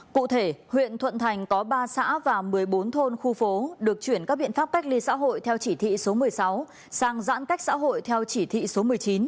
cụ thể huyện thuận thành có ba xã và một mươi bốn thôn khu phố được chuyển các biện pháp cách ly xã hội theo chỉ thị số một mươi sáu sang giãn cách xã hội theo chỉ thị số một mươi chín